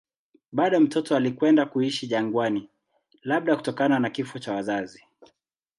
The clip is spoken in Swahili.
Bado mtoto alikwenda kuishi jangwani, labda kutokana na kifo cha wazazi.